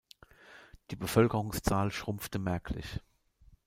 Die Bevölkerungszahl schrumpfte merklich.